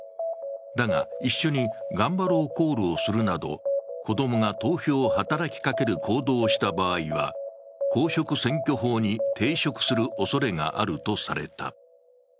だが、一緒にガンバローコールをするなど子供が投票を働きかける行動をした場合は公職選挙法に抵触するおそれがあるとされた。